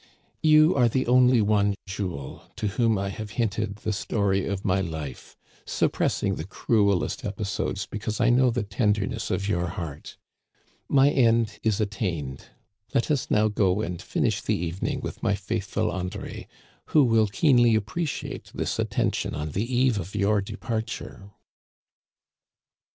You are the only one, Jules, to whom I have hinted the story of my life, suppressing the cruelest episodes because I know the. tenderness of your heart. My end is attained ; let us now go and finish the evening with my faithful André, who will keenly appreciate this attention on the eve of your departure."